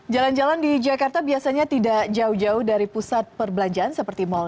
jalan jalan di jakarta biasanya tidak jauh jauh dari pusat perbelanjaan seperti mal